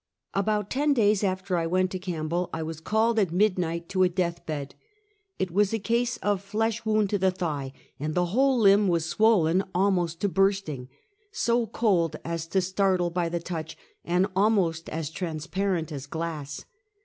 About ten days after I went to Campbell, I was called at midniglit to a death bed. It was a case of flesh wound in the thigh, and the whole limb was swollen almost to bursting, so cold as to startle by the touch, and almost as transparent as glass.